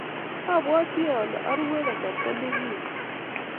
abwatii ale arue kasarta nekinde.